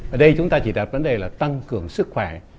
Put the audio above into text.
ở đây chúng ta chỉ đặt vấn đề là tăng cường sức khỏe